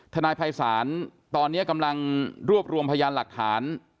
ทนายภัยศาลตอนนี้กำลังรวบรวมพยานหลักฐาน